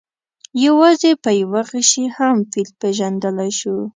یوازې په یوه غشي هم فیل پېژندلی شو.